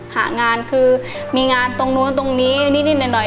หางานคือมีงานตรงนู้นตรงนี้นิดหน่อย